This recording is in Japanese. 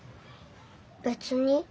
別に。